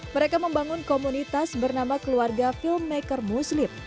mereka membangun komunitas bernama keluarga filmmaker muslim